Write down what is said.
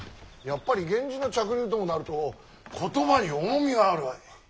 やっぱり源氏の嫡流ともなると言葉に重みがあるわい。